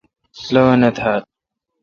لوانہ تھال۔